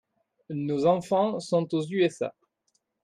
Nos enfant sont aux USA.